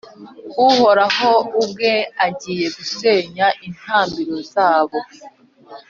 Uhoraho ubwe agiye gusenya intambiro zabo